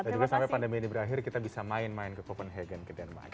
dan juga sampai pandemi ini berakhir kita bisa main main ke copenhagen ke denmark